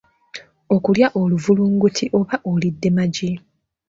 Okulya oluvulunguti oba olidde magi.